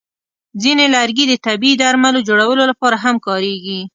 ځینې لرګي د طبیعي درملو جوړولو لپاره هم کارېږي.